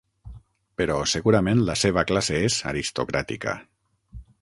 Però, segurament, la seva classe és aristocràtica.